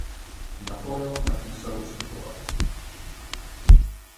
Napoleon tak musel ustupovat.